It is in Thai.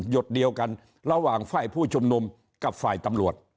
ดเดียวกันระหว่างฝ่ายผู้ชุมนุมกับฝ่ายตำรวจ